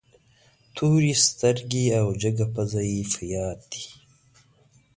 تورې سترګې او جګه پزه یې په یاد دي.